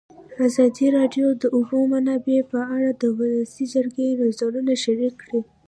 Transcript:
ازادي راډیو د د اوبو منابع په اړه د ولسي جرګې نظرونه شریک کړي.